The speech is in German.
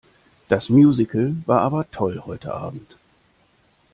Das Musical war aber toll heute Abend.